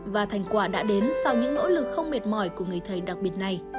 và thành quả đã đến sau những nỗ lực không mệt mỏi của người thầy đặc biệt này